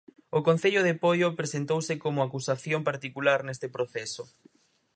O Concello de Poio presentouse como acusación particular neste proceso.